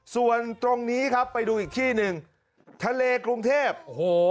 ส่วนตรงนี้ครับไปดูอีกที่หนึ่งทะเลกรุงเทพโอ้โห